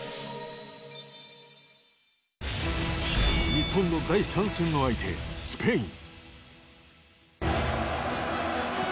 日本の第３戦の相手スペイン。